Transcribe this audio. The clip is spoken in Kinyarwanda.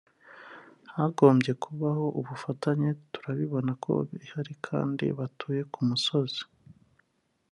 hagombye kubaho ubufatanye turabibona ko bihari kandi batuye ku musozi